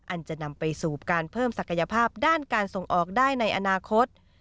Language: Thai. อันจะนำไปสู่การเพิ่มศักยภาพด้านการส่งออกได้ในอนาคต